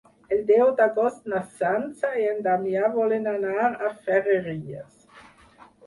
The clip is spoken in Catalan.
El deu d'agost na Sança i en Damià volen anar a Ferreries.